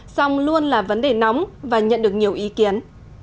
song luôn là vấn đề nóng và nhận được nhiều ý kiến